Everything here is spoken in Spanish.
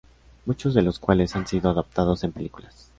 Muchos de los cuales han sido adaptados en películas.